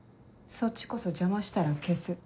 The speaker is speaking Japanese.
そっちこそ邪魔したら消す。